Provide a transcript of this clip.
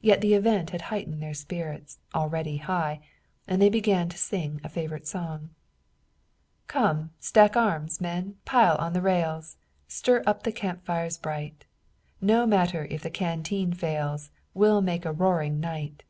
Yet the event had heightened their spirits, already high, and they began to sing a favorite song: "Come, stack arms, men, pile on the rails; Stir up the camp fires bright. No matter if the canteen fails, We'll make a roaring night.